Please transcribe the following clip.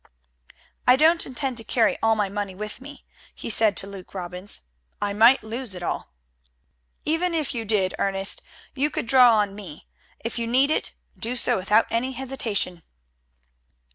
"I don't intend to carry all my money with me," he said to Luke Robbins. "I might lose it all." "Even if you did, Ernest, you could draw on me. If you need it, do so without any hesitation."